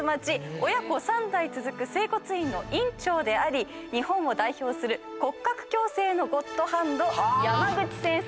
親子３代続く整骨院の院長であり日本を代表する骨格矯正のゴッドハンド山口先生です。